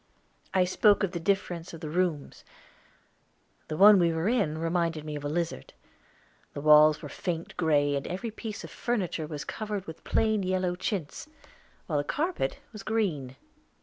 "I spoke of the difference of the rooms; the one we were in reminded me of a lizard! The walls were faint gray, and every piece of furniture was covered with plain yellow chintz, while the carpet was a pale green.